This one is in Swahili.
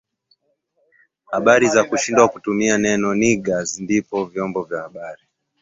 habari kushindwa kutumia neno Niggaz ndipo vyombo vya habari